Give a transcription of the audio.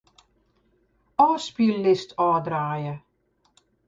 Ofspyllist ôfdraaie.